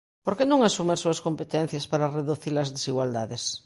¿Por que non asume as súas competencias para reducir as desigualdades?